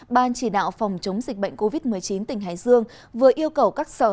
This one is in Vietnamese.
ban chỉ đạo phòng chống dịch bệnh covid một mươi chín tỉnh hải dương vừa yêu cầu các sở